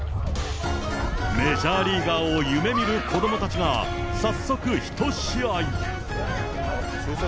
メジャーリーガーを夢みる子どもたちが、早速、ひと試合。